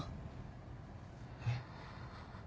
えっ？